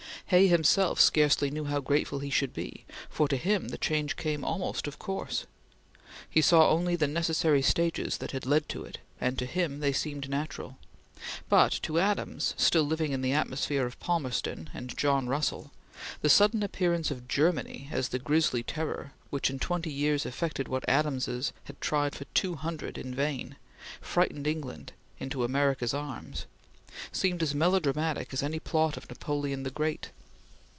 Hay himself scarcely knew how grateful he should be, for to him the change came almost of course. He saw only the necessary stages that had led to it, and to him they seemed natural; but to Adams, still living in the atmosphere of Palmerston and John Russell, the sudden appearance of Germany as the grizzly terror which, in twenty years effected what Adamses had tried for two hundred in vain frightened England into America's arms seemed as melodramatic as any plot of Napoleon the Great.